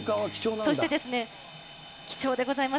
そして、貴重でございます。